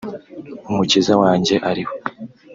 ’Umukiza wanjye ariho’